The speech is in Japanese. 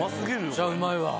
めっちゃうまいわ。